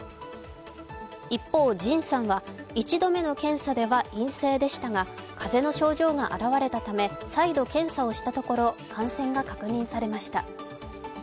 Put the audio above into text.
一方、ＪＩＮさんは一度目の検査では陰性でしたが、かぜの症状が現れたため、再度検査をしたところ感染が確認されました。